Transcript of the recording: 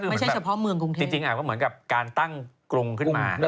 ไม่ใช่เฉพาะเมืองกรุงเทพจริงก็เหมือนกับการตั้งกรุงขึ้นมา